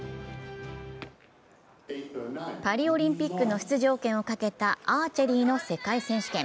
パリオリンピックの出場権をかけたアーチェリーの世界選手権。